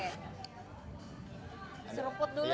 diseremput dulu ya